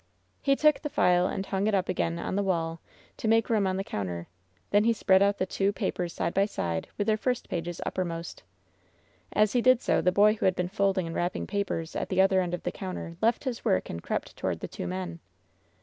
He took the file and hung it up again on the wall, to make room on the counter. Then he spread out the two papers side by side, with their first pages uppermost. As he did so the boy who had been folding and wrap ping papers at the other end of the counter left his work and crept toward the two men.